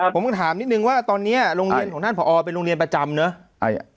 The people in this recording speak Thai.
ผมก็ถามนิดนึงว่าตอนนี้โรงเรียนของท่านผอเป็นโรงเรียนประจำเนอะ